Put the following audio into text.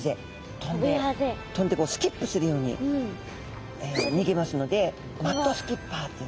跳んで跳んでこうスキップするように逃げますのでマッドスキッパーっていうんですね。